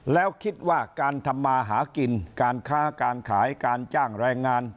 แล้วคิดว่าการทำมาหากินการค้าการขายการจ้างแรงงาน